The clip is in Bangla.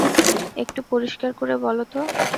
একটু পরিষ্কার করে বলো তো।